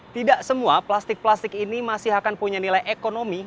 tidak semua plastik plastik ini masih akan punya nilai ekonomi